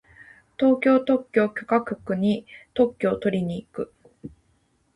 東京特許許可局に特許をとりに行く。